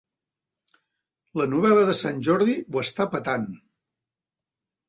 La novel·la de Sant Jordi ho està petant.